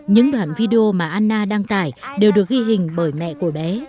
những đoạn video mà anna đăng tải đều được ghi hình bởi mẹ của bé